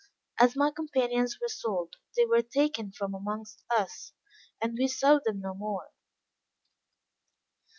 As my companions were sold, they were taken from amongst us, and we saw them no more.